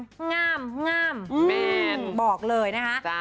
งามบอกเลยนะคะ